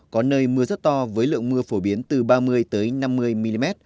có nơi mưa rất to với lượng mưa phổ biến từ ba mươi tới năm mươi mm